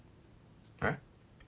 えっ？